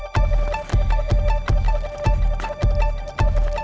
nah pernah jangan cuakan di penjara